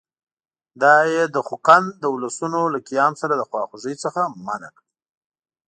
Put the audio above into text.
دا یې د خوقند د اولسونو له قیام سره د خواخوږۍ څخه منع کړي.